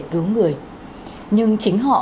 cứu người nhưng chính họ